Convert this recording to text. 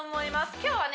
今日はね